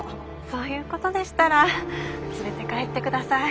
そういうことでしたら連れて帰って下さい。